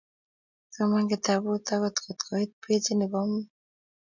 Kiasomana kitabu akot koit pajit nebo amut